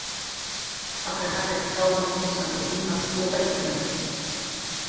Jaqar jaqiq tawmanw nursanw imas puqayktna